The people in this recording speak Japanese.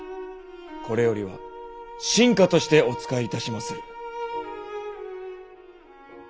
これよりは臣下としてお仕えいたしまする。